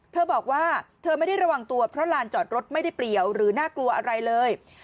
เธอบอกว่าเธอไม่ได้ระวังตัวเพราะลานจอดรถไม่ได้เปลี่ยวหรือน่ากลัวอะไรเลย